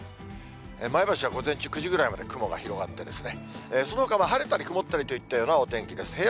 前橋は午前中、９時ぐらいまで雲が広がって、そのほかは晴れたり曇ったりといったようなお天気です。